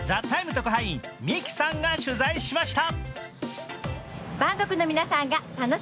特派員、ＭＩＫＩさんが取材しました。